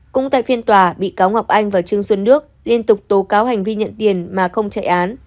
cũng tại phiên tòa bị cáo ngọc anh và trương xuân đức liên tục tố cáo hành vi nhận tiền mà không chạy án